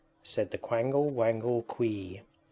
Said the Quangle Wangle Quee.